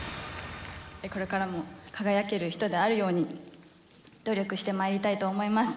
これからも輝ける人であるように、努力してまいりたいと思います。